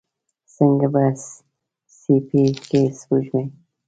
څنګه په سیپۍ کې سپوږمۍ